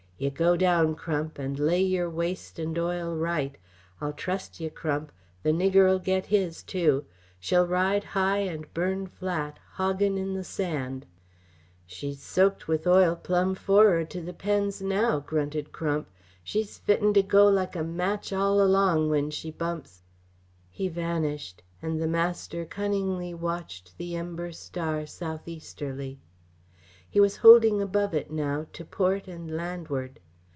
"Yeh, go down, Crump, and lay yer waste and oil right. I trust yeh, Crump the nigger'll get his, too. She'll ride high and burn flat, hoggin' in the sand " "She's soaked with oil plumb for'ard to the pens now," grunted Crump. "She's fitten to go like a match all along when she bumps " He vanished, and the master cunningly watched the ember star southeasterly. He was holding above it now, to port and landward.